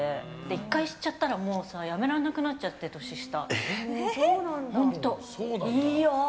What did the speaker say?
１回知っちゃったらもうやめられなくなっちゃって年下。